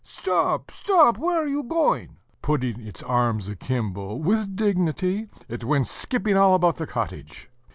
"Stop, stop! where are you going?" Putting its arms akimbo, with dignity, it went skipping all about the cottage.